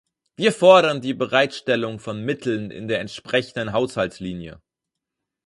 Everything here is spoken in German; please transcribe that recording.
Wir fordern die Bereitstellung von Mitteln in der entsprechenden Haushaltslinie.